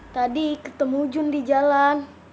tadi ketemu jun di jalan